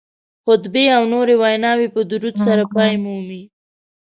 خطبې او نورې ویناوې په درود سره پای مومي